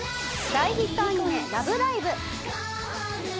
大ヒットアニメ『ラブライブ！』。